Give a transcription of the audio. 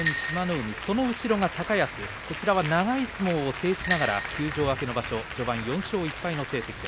海その後ろに高安とこちらは長い相撲を制しながら休場明けの場所序盤、４勝１敗の成績。